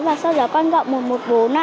và sau đó con gọi một trăm một mươi bốn